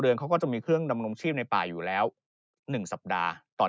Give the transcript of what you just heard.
เขาก็จะมีเครื่องดำรงชีพในป่าอยู่แล้ว๑สัปดาห์ตอน